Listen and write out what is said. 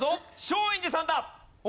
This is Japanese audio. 松陰寺さんだ。